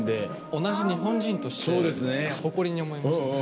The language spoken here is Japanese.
同じ日本人として誇りに思いましたね。